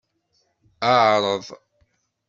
Ɛreḍ.